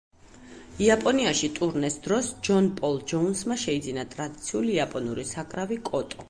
იაპონიაში ტურნეს დროს ჯონ პოლ ჯოუნსმა შეიძინა ტრადიციული იაპონური საკრავი კოტო.